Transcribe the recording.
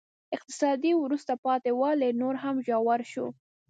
اقتصادي وروسته پاتې والی نور هم ژور شو.